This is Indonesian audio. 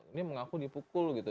ini mengaku dipukul gitu